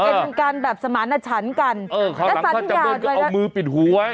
เป็นการแบบสมาณชันกันเออเขาหลังเขาจับด้วยก็เอามือปิดหูไว้